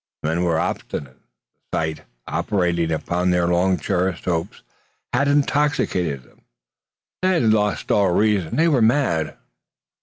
The men were obstinate. The sight, operating upon long cherished hopes, had intoxicated them. They had lost all reason. They were mad.